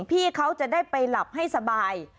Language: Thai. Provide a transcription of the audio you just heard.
พี่เขาจะได้ไปหลับให้สบาย